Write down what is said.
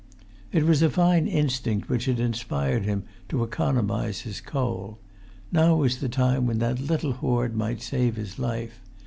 It was a fine instinct which had inspired him to economise his coal; now was the time when that little hoard might save his life.